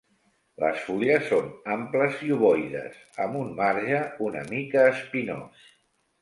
Les fulles són amples i ovoides, amb un marge una mica espinós.